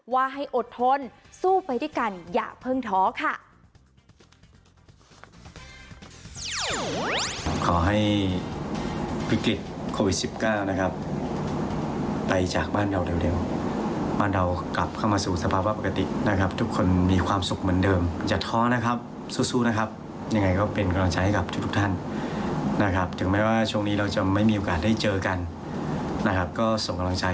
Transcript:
ว่าให้อดทนสู้ไปด้วยกันอย่าเพิ่งท้อค่ะ